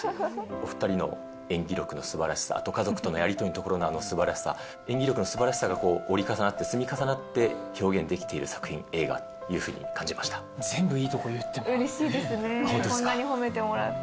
お２人の演技力のすばらしさ、あと家族とのやり取りのあのすばらしさ、演技力のすばらしさが折り重なって積み重なって表現されている映全部いいところ言ってもらっうれしいですね、こんなに褒めてもらって。